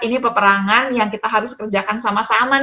ini peperangan yang kita harus kerjakan sama sama